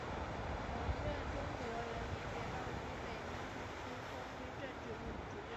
曾任中国人民解放军北京军区空军政治部主任。